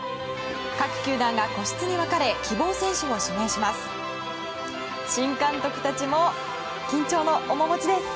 各球団が個室に分かれ希望選手を指名します。